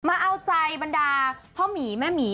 มาเอาใจบรรดาพ่อหมีแม่หมี